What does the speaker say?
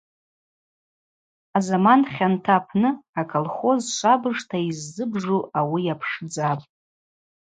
Азаман хьанта апны аколхоз швабыжта йыззыбжу ауи йапшдзапӏ.